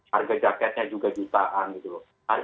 harga jaketnya juga jutaan